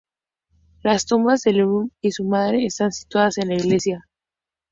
Las tumbas de Le Brun y su madre están situadas en la iglesia.